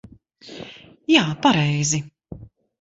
Jā, pareizi.